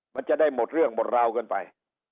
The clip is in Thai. มันจะได้หมดเรื่องหมดราวกันไป